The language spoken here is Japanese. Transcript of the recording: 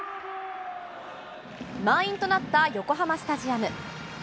満員となった横浜スタジアム。